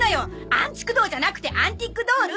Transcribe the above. アンチクドーじゃなくてアンティックドール。